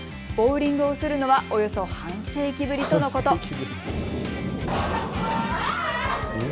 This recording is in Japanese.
ボウリングをするのはおよそ半世紀ぶりとのこと。